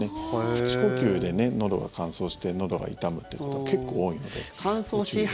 口呼吸で、のどが乾燥してのどが痛むって方が結構多いので。